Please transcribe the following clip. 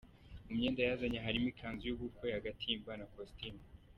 Mu myenda yazanye harimo ikanzu y’ubukwe, agatimba na kositimu.